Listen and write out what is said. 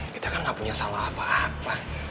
kita kan nggak punya salah apa apa